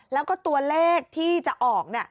แล้วก็ตัวเลขที่จะออก